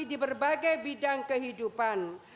di berbagai bidang kehidupan